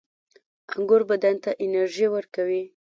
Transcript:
• انګور بدن ته انرژي ورکوي.